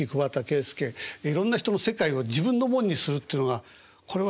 いろんな人の世界を自分のものにするっていうのがこれは私